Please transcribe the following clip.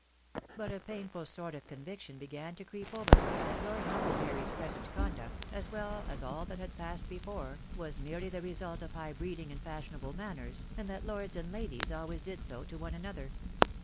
But a painful sort of convic tion began to creep over her that Lord Mucklebury 's present conduct, as well as all that had passed before, was merely the result of high breeding and fashionable manners, and that lords and ladies always did so to one another.